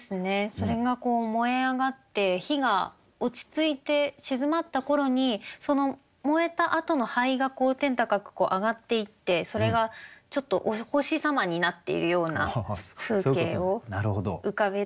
それが燃え上がって火が落ち着いて静まった頃にその燃えたあとの灰が天高く上がっていってそれがちょっとお星様になっているような風景を浮かべて。